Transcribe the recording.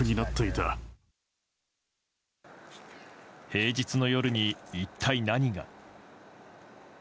平日の夜に、一体何が。